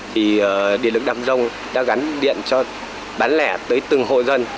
thì điện lực đam rông đã gắn điện cho bán lẻ tới từng hộ dân